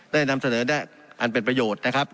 ได้นำเสนอได้อันเป็นประโยชน์นะครับ